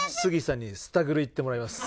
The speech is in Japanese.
さんにスタグル行ってもらいます。